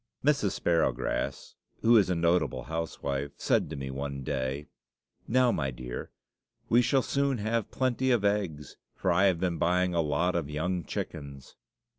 Mrs. Sparrowgrass, who is a notable housewife, said to me one day, "Now, my dear, we shall soon have plenty of eggs, for I have been buying a lot of young chickens."